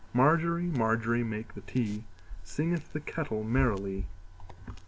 Margery, Margery, make the tea, Singeth the kettle merrily.